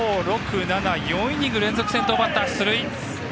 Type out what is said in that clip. ４イニング連続先頭バッター出塁。